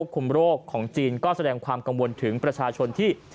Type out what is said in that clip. คุมโรคของจีนก็แสดงความกังวลถึงประชาชนที่